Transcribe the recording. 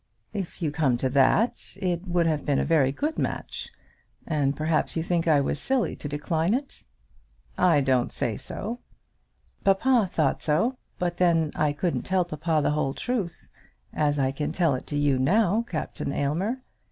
"If you come to that, it would have been a very good match; and perhaps you think I was silly to decline it?" "I don't say that." "Papa thought so; but, then, I couldn't tell papa the whole truth, as I can tell it to you now, Captain Aylmer.